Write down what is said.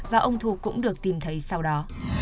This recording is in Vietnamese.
và ông thu cũng được tìm thấy sau đó